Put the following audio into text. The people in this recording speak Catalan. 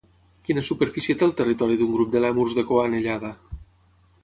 Quina superfície té el territori d'un grup de lèmurs de cua anellada?